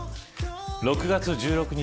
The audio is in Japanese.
６月１６日